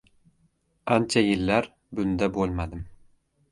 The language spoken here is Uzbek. Ancha yillar bunda bo‘lmadim